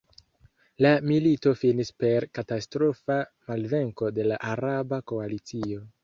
La milito finis per katastrofa malvenko de la araba koalicio.